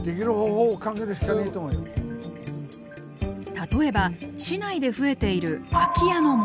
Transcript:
例えば市内で増えている空き家の問題。